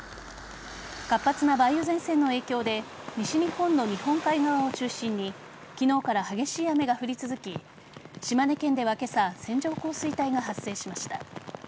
活発な梅雨前線の影響で西日本の日本海側を中心に昨日から激しい雨が降り続き島根県では今朝線状降水帯が発生しました。